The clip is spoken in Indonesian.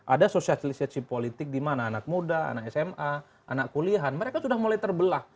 ada sosialisasi politik di mana anak muda anak sma anak kuliahan mereka sudah mulai terbelah